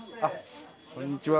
こんにちは。